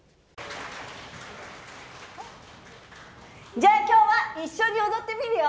じゃあ今日は一緒に踊ってみるよ！